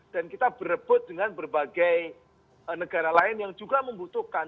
dan kita berebut dengan berbagai negara lain yang juga membutuhkan